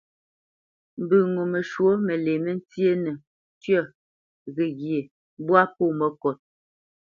Mbə ŋo məshwǒ məlě məntyénə: tyə̂, ghəghye, mbwâ pô məkot.